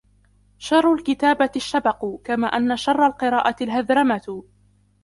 شَرُّ الْكِتَابَةِ الشَّبَقُ كَمَا أَنَّ شَرَّ الْقِرَاءَةِ الْهَذْرَمَةُ